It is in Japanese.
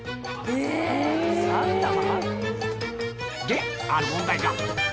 で、ある問題が。